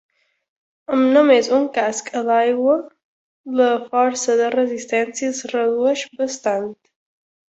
Amb només un casc a l'aigua, la força de resistència es redueix bastant.